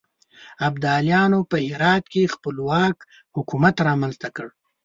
ابدالیانو په هرات کې خپلواک حکومت رامنځته کړ.